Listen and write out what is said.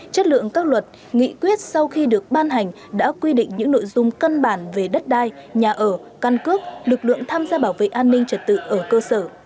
chất lượng các luật nghị quyết sau khi được ban hành đã quy định những nội dung cân bản về đất đai nhà ở căn cước lực lượng tham gia bảo vệ an ninh trật tự ở cơ sở